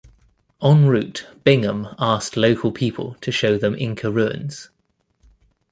En route Bingham asked local people to show them Inca ruins.